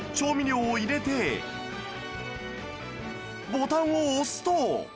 ボタンを押すと